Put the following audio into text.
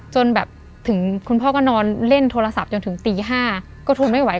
จนแบบถึงคุณพ่อก็นอนเล่นโทรศัพท์จนถึงตี๕ก็ทนไม่ไหว